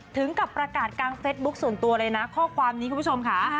ถึงกับประกาศกลางเฟซบุ๊คส่วนตัวเลยนะข้อความนี้คุณผู้ชมค่ะ